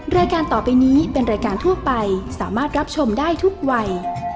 รายการต่อไปนี้เป็นรายการทั่วไปสามารถรับชมได้ทุกวัย